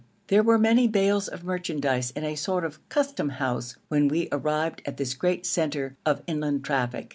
There were many bales of merchandise in a sort of Custom house when we arrived at this great centre of inland traffic.